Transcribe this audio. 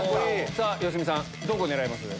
良純さんどこ狙います？